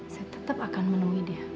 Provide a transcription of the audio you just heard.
saya tetap akan menemui dia